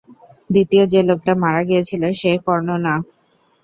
দ্বিতীয় যে লোকটা মারা গিয়েছিল সে কর্ণ না।